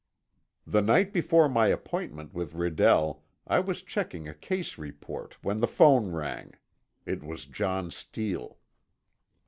The night before my appointment with Redell, I was checking a case report when the phone rang. It was John Steele.